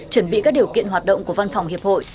chuẩn bị các điều kiện hoạt động của văn phòng hiệp hội